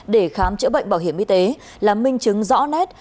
để khám chữa bệnh bảo hiểm y tế là minh chứng rõ nét